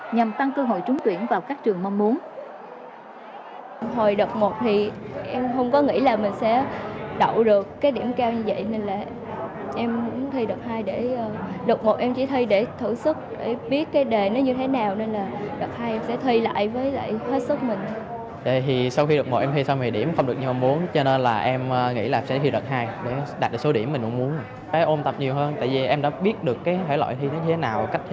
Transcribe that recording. nhằm tăng cơ hội trúng tuyển vào các trường mong muốn